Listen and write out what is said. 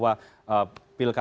yang keempat sumatera utara